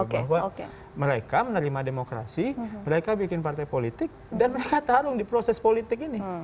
bahwa mereka menerima demokrasi mereka bikin partai politik dan mereka tarung di proses politik ini